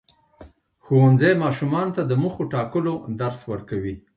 ښوونځی ماشومانو ته د موخو ټاکلو درس ورکوي.